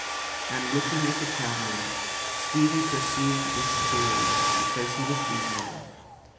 And looking at the cabman, Stevie perceived this clearly, because he was reasonable.